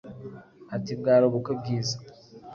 Ati “Bwari ubukwe bwiza,